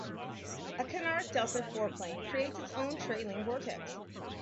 A canard delta foreplane creates its own trailing vortex.